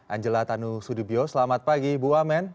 angela tanu sudibyo selamat pagi bu wamen